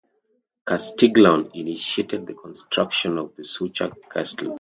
Castiglione initiated the construction of the Sucha Castle.